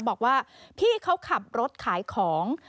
บอกว่าพี่เขาขับรถขายของ